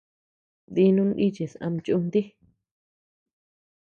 Dinu nichis ama chúntii.